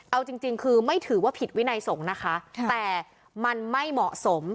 เอาจริงคือไม่ถือว่าผิดวินัยสงฆ์นะคะแต่มันไม่เหมาะสม